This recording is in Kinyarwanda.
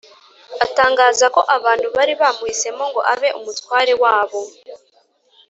. Atangaza ko abantu bari bamuhisemo ngo abe umutware wabo